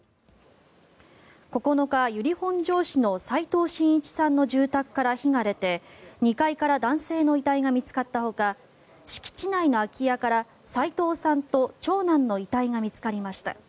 ９日、由利本荘市の齋藤真一さんの住宅から火が出て２階から男性の遺体が見つかったほか敷地内の空き家から齋藤さんと長男の遺体が見つかりました。